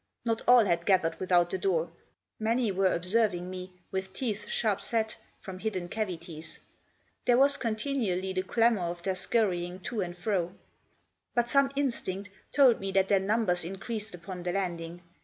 Not all had gathered without the door, many were observing me, with teeth sharp set, from hidden cavities. There was continu ally the clamour of their scurrying to and fro. But some instinct told me that their numbers increased upon the landing.